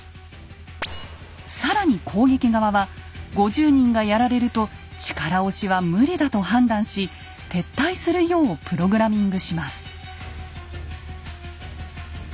更に攻撃側は５０人がやられると力押しは無理だと判断し撤退するようプログラミングします。